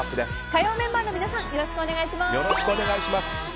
火曜メンバーの皆さんよろしくお願いします。